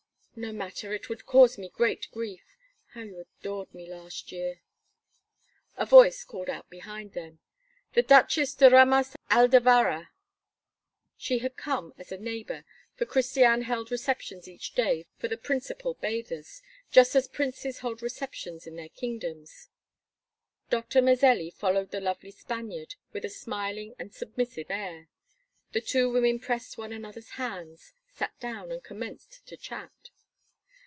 "No matter, it would cause me great grief. How you adored me last year!" A voice called out behind them: "The Duchess de Ramas Aldavarra." She had come as a neighbor, for Christiane held receptions each day for the principal bathers, just as princes hold receptions in their kingdoms. Doctor Mazelli followed the lovely Spaniard with a smiling and submissive air. The two women pressed one another's hands, sat down, and commenced to chat.